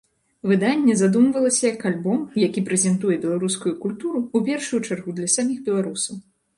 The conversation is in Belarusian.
Выданне задумвалася як альбом, які прэзентуе беларускую культуру ў першую чаргу для саміх беларусаў.